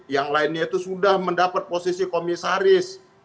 yang lainnya itu sudah mendapat posisi komisaris